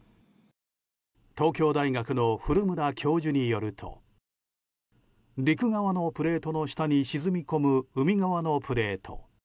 東京大学の古村教授によると陸側のプレートの下に沈み込む海側のプレート。